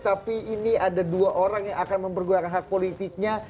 tapi ini ada dua orang yang akan mempergunakan hak politiknya